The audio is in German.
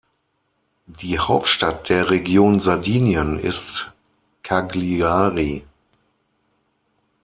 Die Hauptstadt der Region Sardinien ist Cagliari.